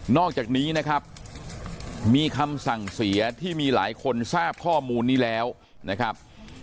อกจากนี้นะครับมีคำสั่งเสียที่มีหลายคนทราบข้อมูลนี้แล้วนะครับ